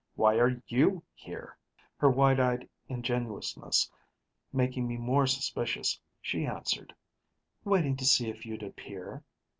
"Why are you here?" Her wide eyed ingenuousness making me more suspicious, she answered, "Waiting to see if you'd appear."